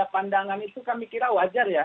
pandangan itu kami kira wajar ya